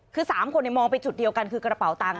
คือ๓คนมองไปจุดเดียวกันคือกระเป๋าตังค